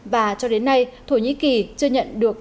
và cho đến nay thổ nhĩ kỳ chưa nhận được